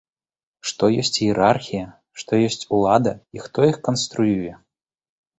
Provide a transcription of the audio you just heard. Што ёсць іерархія, што ёсць улада і хто іх канструюе?